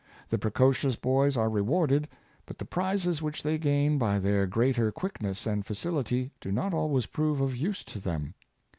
The precocious boys are rewarded, but the prizes which they gain by their greater quickness and facility do not always prove of use to them.